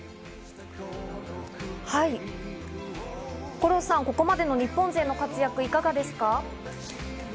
五郎さん、ここまでの日本勢の活躍、いかがですか？